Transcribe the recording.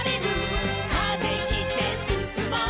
「風切ってすすもう」